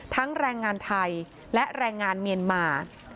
แรงงานไทยและแรงงานเมียนมา